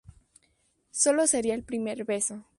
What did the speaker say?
Sólo sería el primer paso.